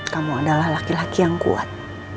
kamu adalah laki laki yang kuat